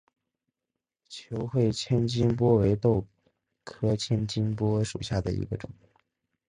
球穗千斤拔为豆科千斤拔属下的一个种。